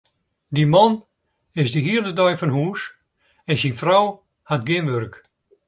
Dy man is de hiele dei fan hús en syn frou hat gjin wurk.